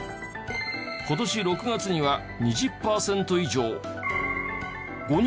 今年６月には２０パーセント以上。